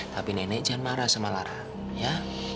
tapi nenek jangan marah sama larang ya